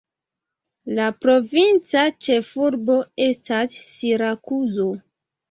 La provinca ĉefurbo estas Sirakuzo.